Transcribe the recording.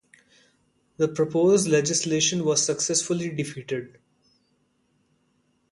The proposed legislation was successfully defeated.